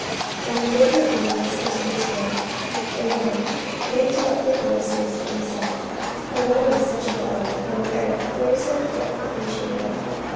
44:022:022 And they gave him audience unto this word, and then lifted up their voices, and said, Away with such a fellow from the earth: for it is not fit that he should live.